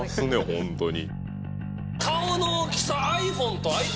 ホントに。